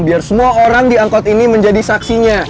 biar semua orang di angkot ini menjadi saksinya